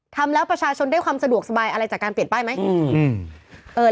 ทำแล้วประชาชนได้ความสะดวกสบายอะไรจากการเปลี่ยนป้ายไหม